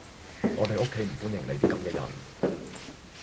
我哋屋企唔歡迎你啲噉嘅人